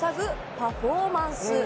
パフォーマンス